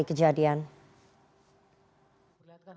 di jepang jepang jepang dan jepang